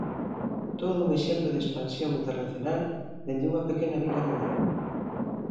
Todo un exemplo de expansión internacional dende unha pequena vila galega.